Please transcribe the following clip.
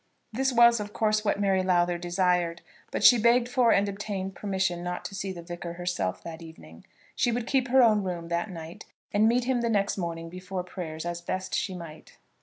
This was, of course, what Mary Lowther desired, but she begged for and obtained permission not to see the Vicar herself that evening. She would keep her own room that night, and meet him the next morning before prayers as best she might.